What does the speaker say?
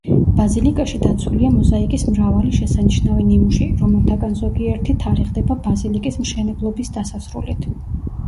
ბაზილიკაში დაცულია მოზაიკის მრავალი შესანიშნავი ნიმუში, რომელთაგან ზოგიერთი თარიღდება ბაზილიკის მშენებლობის დასასრულით.